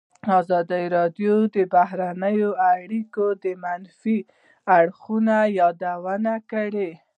ازادي راډیو د بهرنۍ اړیکې د منفي اړخونو یادونه کړې.